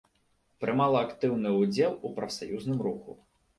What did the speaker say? Прымала актыўны ўдзел у прафсаюзным руху.